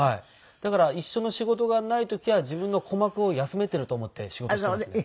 だから一緒の仕事がない時は自分の鼓膜を休めていると思って仕事していますね。